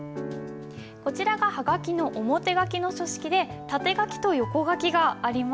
こちらがハガキの表書きの書式で縦書きと横書きがあります。